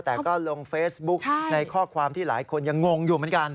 แต่ก็ลงเฟซบุ๊กในข้อความที่หลายคนยังงงอยู่เหมือนกัน